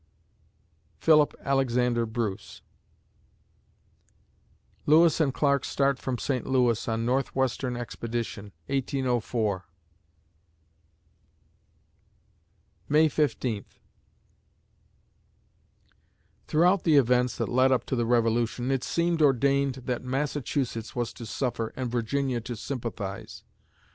PHILIP ALEXANDER BRUCE Lewis and Clark start from St. Louis on northwestern expedition, 1804 May Fifteenth Throughout the events that led up to the Revolution, it seemed ordained that Massachusetts was to suffer and Virginia to sympathize.